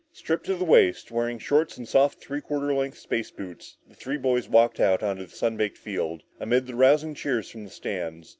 Stripped to the waist, wearing shorts and soft, three quarter length space boots, the three boys walked onto the sun baked field amid the rousing cheers from the stands.